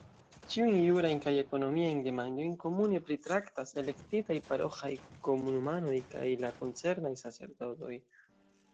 Ĉiujn jurajn kaj ekonomiajn demandojn komune pritraktas elektitaj paroĥaj komunumanoj kaj la koncernaj sacerdotoj.